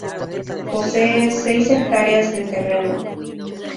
Posee seis hectáreas de terreno.